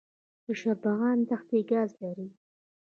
د شبرغان دښتې ګاز لري